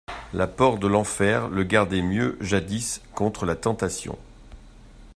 La peur de l'enfer le gardait mieux jadis contre la tentation.